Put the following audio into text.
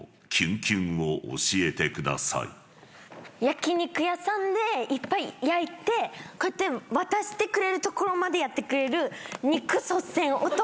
焼き肉屋さんでいっぱい焼いてこうやって渡してくれるところまでやってくれる。